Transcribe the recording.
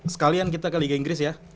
sekalian kita ke liga inggris ya